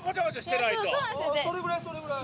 それぐらいそれぐらい。